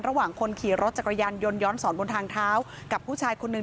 ระหว่างคนขี่รถจักรยานยนต์ย้อนสอนบนทางเท้ากับผู้ชายคนหนึ่ง